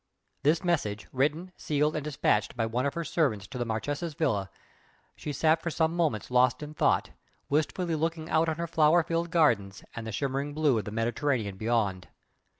This message written, sealed and dispatched by one of her servants to the Marchese's villa, she sat for some moments lost in thought, wistfully looking out on her flower filled gardens and the shimmering blue of the Mediterranean beyond.